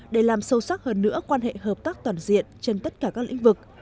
để làm sâu sắc hơn nữa quan hệ hợp tác toàn diện trên tất cả các lĩnh vực